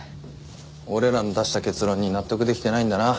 俺らの出した結論に納得できてないんだな。